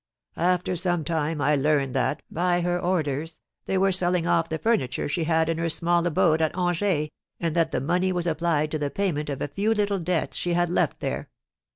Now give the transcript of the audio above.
After some time I learned that, by her orders, they were selling off the furniture she had in her small abode at Angers, and that the money was applied to the payment of a few little debts she had left there.